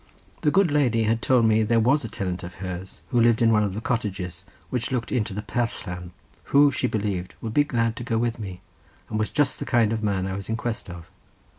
The good lady had told me that there was a tenant of hers who lived in one of the cottages, which looked into the perllan, who, she believed, would be glad to go with me, and was just the kind of man I was in quest of.